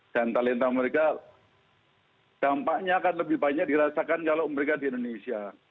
talenta mereka dampaknya akan lebih banyak dirasakan kalau mereka di indonesia